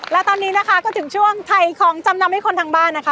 และตอนนี้นะคะก็ถึงช่วงถ่ายของจำนำให้คนทางบ้านนะคะ